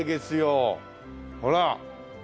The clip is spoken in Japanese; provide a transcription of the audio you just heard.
ほら！